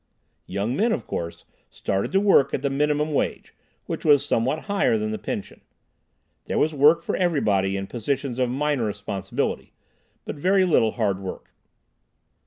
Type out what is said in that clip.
Young men, of course, started to work at the minimum wage, which was somewhat higher than the pension. There was work for everybody in positions of minor responsibility, but very little hard work.